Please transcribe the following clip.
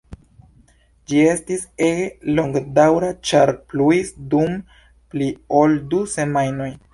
Ĝi estis ege longdaŭra ĉar pluis dum pli ol du semajnoj.